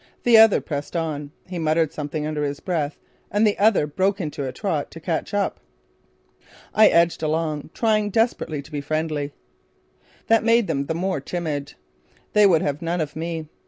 The other pressed on. He muttered something under his breath and the other broke into a trot to catch up. I edged along, trying desperately to be friendly. That made them the more timid. They would have none of me.